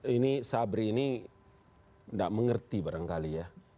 ini sabri ini tidak mengerti barangkali ya